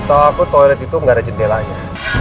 setau aku toilet itu gak ada jendelanya